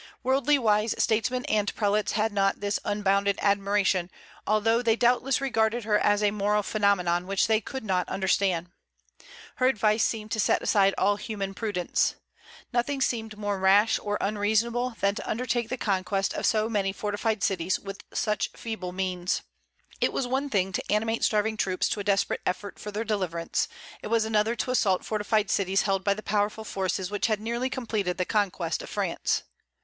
Worldly wise statesmen and prelates had not this unbounded admiration, although they doubtless regarded her as a moral phenomenon which they could not understand. Her advice seemed to set aside all human prudence. Nothing seemed more rash or unreasonable than to undertake the conquest of so many fortified cities with such feeble means. It was one thing to animate starving troops to a desperate effort for their deliverance; it was another to assault fortified cities held by the powerful forces which had nearly completed the conquest of France.